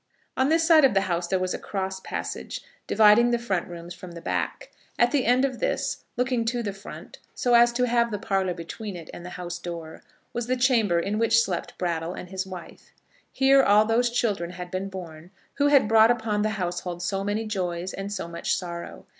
On this side of the house there was a cross passage, dividing the front rooms from the back. At the end of this, looking to the front so as to have the parlour between it and the house door, was the chamber in which slept Brattle and his wife. Here all those children had been born who had brought upon the household so many joys and so much sorrow.